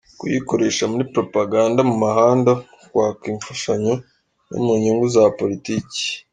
-Kuyikoresha muri Propaganda mu mahanga mu kwaka imfashanyo no mu nyungu za politiki.